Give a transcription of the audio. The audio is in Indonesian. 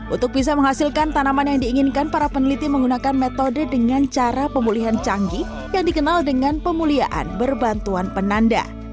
untuk bisa menghasilkan tanaman yang diinginkan para peneliti menggunakan metode dengan cara pemulihan canggih yang dikenal dengan pemuliaan berbantuan penanda